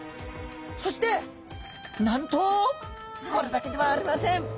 そしてなんとこれだけではありません。